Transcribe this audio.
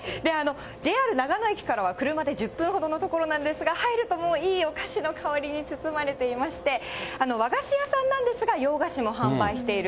ＪＲ長野駅からは車で１０分ほどの所なんですが、入るともう、いいお菓子の香りに包まれていまして、和菓子屋さんなんですが、洋菓子も販売している。